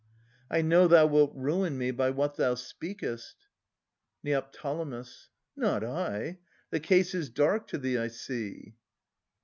I know thou wilt ruin me by what thou speakest. Neo. Not I. The case is dark to thee, I see.